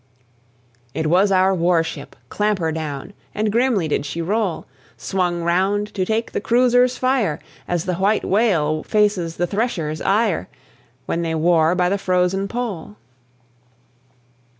It was our war ship Clampherdown, And grimly did she roll; Swung round to take the cruiser's fire As the White Whale faces the Thresher's ire, When they war by the frozen Pole.